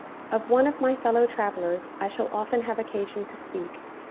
Of one of my fellow travellers I shall often have occasion to speak.